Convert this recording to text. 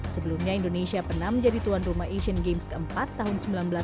sebelumnya indonesia pernah menjadi tuan rumah asian games ke empat tahun seribu sembilan ratus enam puluh dua